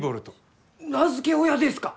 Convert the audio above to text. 名付け親ですか！？